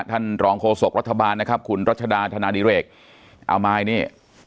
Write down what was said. ท่านรองโฆษกรัฐบาลนะครับคุณรัชดาธนาดิเรกเอามายนี่